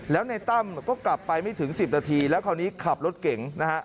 แล้วในตั้มก็กลับไปไม่ถึง๑๐นาทีแล้วคราวนี้ขับรถเก่งนะฮะ